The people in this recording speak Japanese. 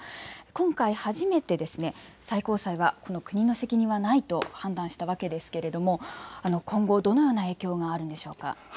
今回、初めて最高裁は国の責任はないと判断したわけですが今後、どのような影響があるのでしょうか。